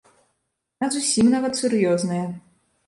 А зусім нават сур'ёзная.